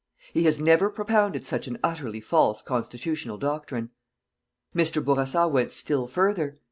He has never propounded such an utterly false constitutional doctrine. Mr. Bourassa went still further.